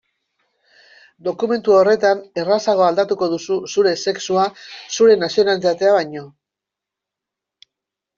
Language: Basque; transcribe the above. Dokumentu horretan errazago aldatuko duzu zure sexua zure nazionalitatea baino.